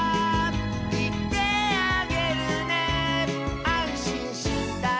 「いってあげるね」「あんしんしたら」